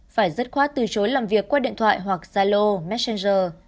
phải dứt khoát từ chối làm việc qua điện thoại hoặc gia lô messenger